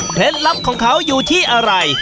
ลับของเขาอยู่ที่อะไร